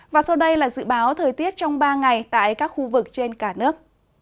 và sau đây là dự báo thời tiết trong ba ngày tại các khu vực trên cả nước